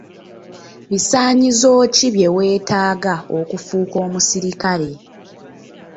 Bisaanyizo ki bye weetaaga okufuuka omusirikale?